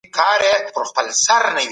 د ولسي جرګې عمومي غونډي کله کېږي؟